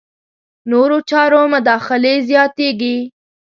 نورو چارو مداخلې زیاتېږي.